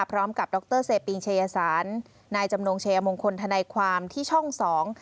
พร้อมกับดรเสปิงเชยศาลนายจำนวงเชยมงคลธนาความที่ช่องสอง